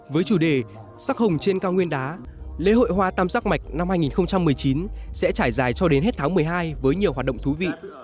với chủ đề sắc hồng trên cao nguyên đá lễ hội hoa tam giác mạch năm hai nghìn một mươi chín sẽ trải dài cho đến hết tháng một mươi hai với nhiều hoạt động thú vị